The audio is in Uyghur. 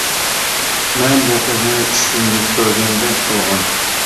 مەن ئۇ قىزنى چۈشۈمدەك كۆرگەندەك قىلغان.